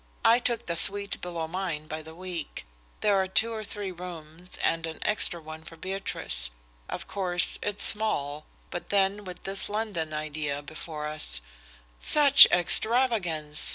"I took the suite below mine by the week. There are two or three rooms, and an extra one for Beatrice. Of course, it's small, but then with this London idea before us " "Such extravagance!"